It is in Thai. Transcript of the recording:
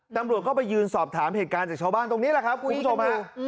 ตำรวจก็ไปยืนสอบถามเหตุการณ์จากชาวบ้านตรงนี้แหละครับคุณผู้ชมฮะ